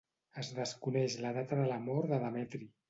Es desconeix la data de la mort de Demetri.